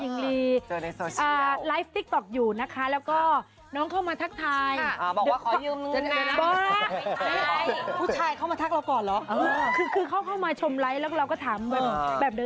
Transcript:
นักบ่งแดงอีกเยอะมานานท้อ